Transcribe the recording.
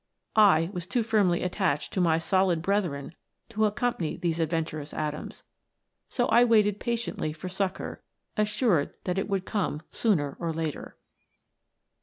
I was too firmly attached to my solid brethren to accompany these adventurous atoms, so I waited patiently for succour, assured that it would come sooner or later.